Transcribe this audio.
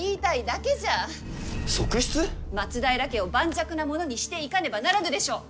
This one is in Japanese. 松平家を盤石なものにしていかねばならぬでしょう！